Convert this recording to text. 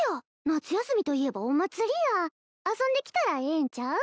夏休みといえばお祭りや遊んできたらええんちゃう？